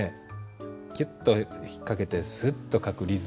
キュッと引っ掛けてスッと書くリズム。